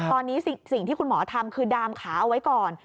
ตอนนี้สิ่งที่คุณหมอทำคือดามขาเอาไว้ก่อน